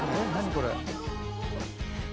これ。